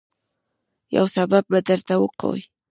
يو سبب به درله وکي.